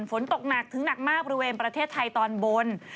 ฝนตกหนักถึงหนักมากบริเวณประเทศไทยตอนบน